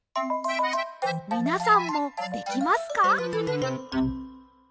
みなさんもできますか？